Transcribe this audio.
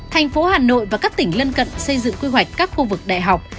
thành phố hà nội và các tỉnh lân cận xây dựng quy hoạch các khu vực đại học